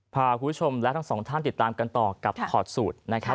พาคุณผู้ชมและทั้งสองท่านติดตามกันต่อกับถอดสูตรนะครับ